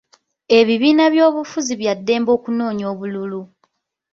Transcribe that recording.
Ebibiina by'ebyobufuzi bya ddembe okunoonya obululu.